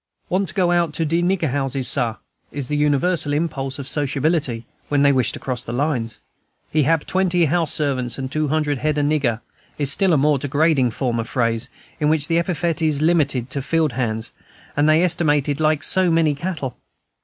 "Want to go out to de nigger houses, Sah," is the universal impulse of sociability, when they wish to cross the lines. "He hab twenty house servants, an' two hundred head o' nigger," is a still more degrading form of phrase, in which the epithet is limited to the field hands, and they estimated like so many cattle.